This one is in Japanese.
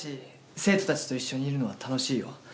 生徒たちといっしょにいるのは楽しいよ。